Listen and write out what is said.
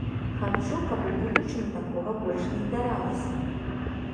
Хачу, каб у будучыні такога больш не здаралася.